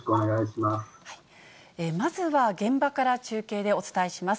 まずは、現場から中継でお伝えします。